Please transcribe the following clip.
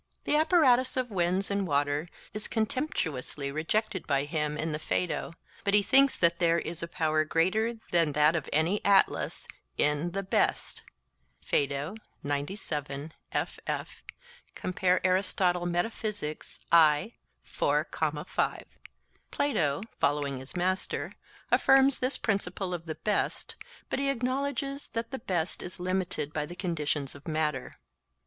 The apparatus of winds and waters is contemptuously rejected by him in the Phaedo, but he thinks that there is a power greater than that of any Atlas in the 'Best' (Phaedo; Arist. Met.). Plato, following his master, affirms this principle of the best, but he acknowledges that the best is limited by the conditions of matter.